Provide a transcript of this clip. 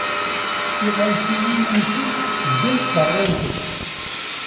Tiɣawsiwin am ti zgant ḍerrunt-d.